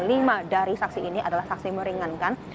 lima dari saksi ini adalah saksi meringankan